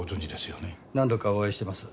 何度かお会いしてます。